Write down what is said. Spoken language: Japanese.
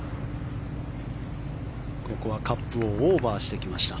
ここはカップをオーバーしてきました。